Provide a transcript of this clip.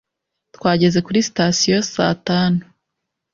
Twageze kuri sitasiyo saa tanu.